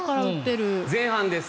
前半です。